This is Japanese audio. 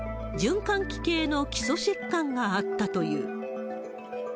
循環器系の基礎疾患があったという。